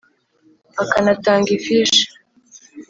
akanatanga ifishi .